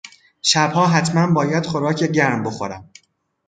شبها حتما باید خوراک گرم بخورم.